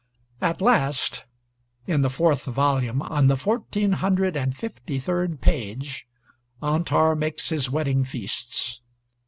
At last (in the fourth volume, on the fourteen hundred and fifty third page) Antar makes his wedding feasts.